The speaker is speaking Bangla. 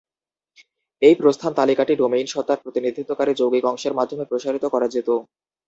এই প্রস্থান তালিকাটি ডোমেইন সত্তার প্রতিনিধিত্বকারী যৌগিক অংশের মাধ্যমে প্রসারিত করা যেত।